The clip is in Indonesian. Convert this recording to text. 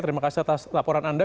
terima kasih atas laporan anda